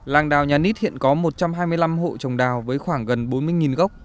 làng đào nhà nít hiện có một trăm hai mươi năm hộ trồng đào với khoảng gần bốn mươi gốc